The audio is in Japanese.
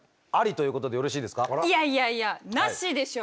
いやいやいやナシでしょ！